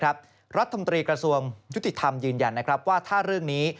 รัฐมนตรีกระทรวงยุติธรรมยืนยันว่าถ้าเรื่องนี้